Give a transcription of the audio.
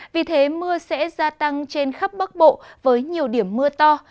vì thế mưa sẽ gia tăng trên khắp bắc bộ với nhiều điểm mưa to